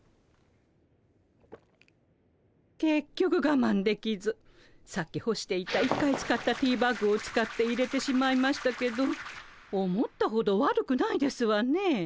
けっきょくがまんできずさっきほしていた１回使ったティーバッグを使っていれてしまいましたけど思ったほど悪くないですわね。